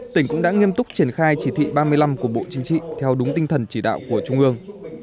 tỉnh cũng đã nghiêm túc triển khai chỉ thị ba mươi năm của bộ chính trị theo đúng tinh thần chỉ đạo của trung ương